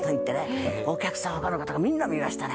お客さん他の方がみんな見ましたね。